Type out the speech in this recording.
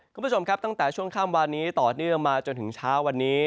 คุณผู้ชมครับตั้งแต่ช่วงข้ามวานนี้ต่อเนื่องมาจนถึงเช้าวันนี้